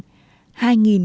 hai gốc cây gáo vàng